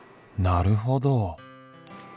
なるほど。